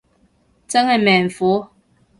真係命苦